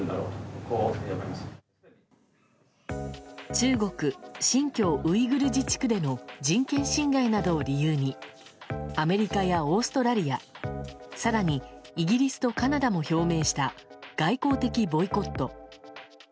中国・新疆ウイグル自治区での人権侵害などを理由にアメリカやオーストラリア更にイギリスとカナダも表明した外交的ボイコット。